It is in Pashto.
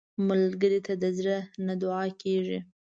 ملګری ته د زړه نه دعا کېږي